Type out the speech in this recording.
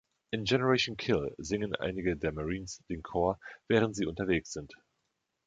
In „Generation Kill“ singen einige der Marines den Chor, während sie unterwegs sind.